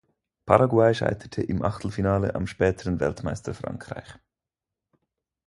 Paraguay scheiterte im Achtelfinale am späteren Weltmeister Frankreich.